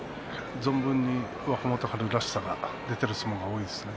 存分に若元春らしさが出ている相撲が多いですね。